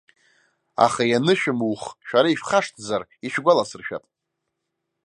Аха ианышәымух, шәара ишәхашҭзар, ишәгәаласыршәап.